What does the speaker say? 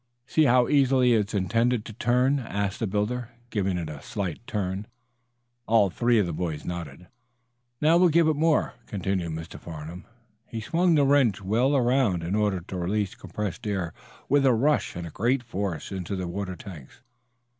"See how easily it's intended to turn?" asked the builder, giving it a slight turn. All three of the boys nodded. "Now, we'll give it more," continued Mr. Farnum. He swung the wrench well around in order to release compressed air with a rush and great force into the water tanks.